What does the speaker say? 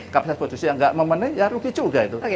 kapasitas produksi yang nggak memenuhi ya rugi juga itu